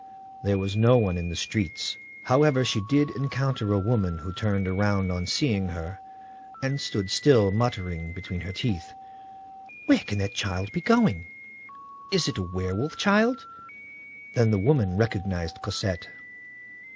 There was no one in the streets. However, she did encounter a woman, who turned around on seeing her, and stood still, muttering between her teeth: "Where can that child be going? Is it a werewolf child?" Then the woman recognized Cosette.